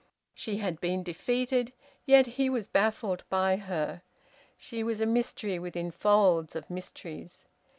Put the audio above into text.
She had been defeated, yet he was baffled by her. She was a mystery within folds of mysteries.